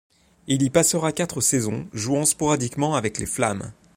Il y passera quatre saisons, jouant sporadiquement avec les Flames.